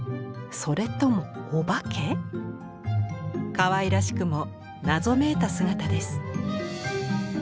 かわいらしくも謎めいた姿です。